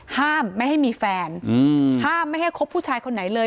ห้ามไม่ให้มีแฟนห้ามไม่ให้คบผู้ชายคนไหนเลย